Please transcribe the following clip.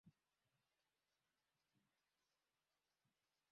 wareno walialeta sarafu yao karne ya kumi na tano